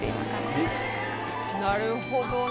なるほどな。